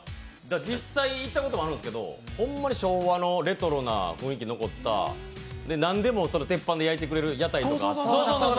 実際行ったことあるんですけど本当に昭和なレトロなものが残った何でも鉄板で焼いてくれる屋台とか。